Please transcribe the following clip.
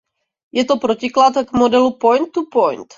Je to protiklad k modelu „point to point“.